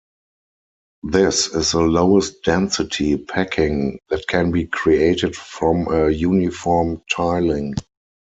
This is the lowest density packing that can be created from a uniform tiling.